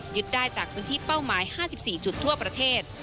ได้จากพื้นที่เป้าหมาย๕๔จุดทั่วประเทศ